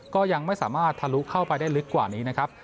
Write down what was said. ก็ยังไม่สามารถทะลุเข้าไปได้ลึกกว่านี้นะครับ